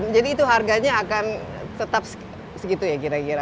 jadi itu harganya akan tetap segitu ya kira kira